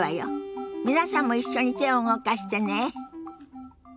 皆さんも一緒に手を動かしてね。